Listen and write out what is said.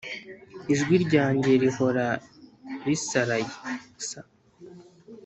ijwi ryanjye rihora risarayes,